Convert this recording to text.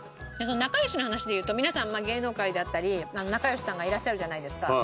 仲良しの話でいうと皆さん芸能界であったり仲良しさんがいらっしゃるじゃないですか。